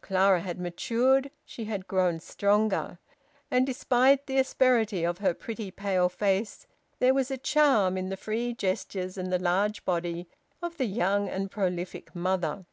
Clara had matured, she had grown stronger; and despite the asperity of her pretty, pale face there was a charm in the free gestures and the large body of the young and prolific mother.